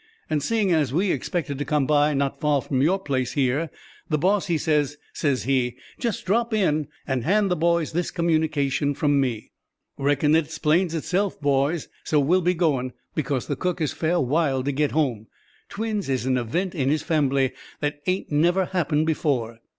And seein' as we expected to come by not far from your place here, the boss he says, says he: 'Just drop in, and hand the boys this communication from me.' Reckon it 'splains itself, boys. So we'll be goin', because the cook is fair wild to get home. Twins is an event in his fambly that ain't never happened before."